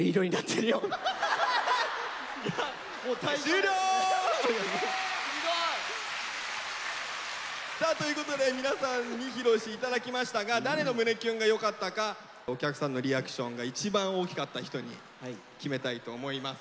終了！ということで皆さんに披露して頂きましたが誰の胸キュンが良かったかお客さんのリアクションが一番大きかった人に決めたいと思います。